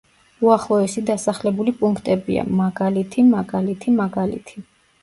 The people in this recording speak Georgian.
უახლოესი დასახლებული პუნქტებია: მაგალითი, მაგალითი, მაგალითი.